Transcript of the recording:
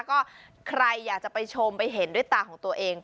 ก็ใครอยากจะไปชมไปเห็นด้วยตาของตัวเอง